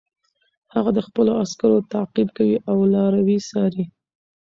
هغه د خپلو عسکرو تعقیب کوي او لاروي څاري.